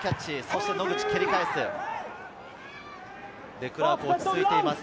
デクラーク、落ち着いています。